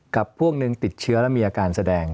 กับพวกหนึ่งติดเชื้อแล้วมีอาการแสดง